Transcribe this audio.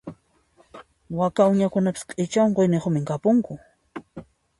Waka uñakunapis q'icha unquyniyuqmi kapunku.